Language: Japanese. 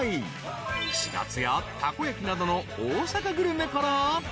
［串カツやたこ焼きなどの大阪グルメから］